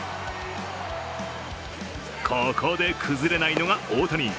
ここで崩れないのが大谷。